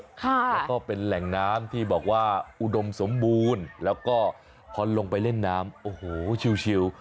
แล้วก็เป็นแหล่งน้ำที่บอกว่าอุดมสมบูรณ์แล้วก็พอลงไปเล่นน้ำโอ้โหชิว